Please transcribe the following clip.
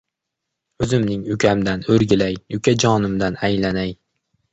— O‘zimning ukamdan o‘rgilay, ukajonimdan aylanay.